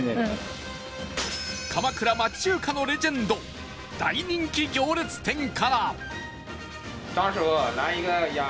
鎌倉町中華のレジェンド大人気行列店から